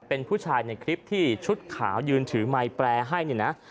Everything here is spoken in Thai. เป็นผู้ชายในคลิปที่ชุดขาวยืนถือไมค์แปรให้เนี่ยนะ